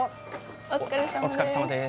お疲れさまです。